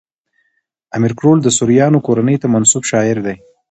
امیر کروړ د سوریانو کورنۍ ته منسوب شاعر دﺉ.